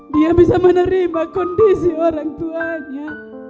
dia bisa menerima kondisi orang tuanya